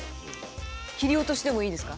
切り落としでもいいですか？